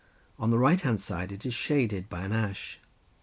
On the right hand side it is shaded by an ash.